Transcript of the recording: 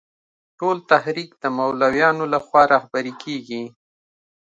ټول تحریک د مولویانو له خوا رهبري کېږي.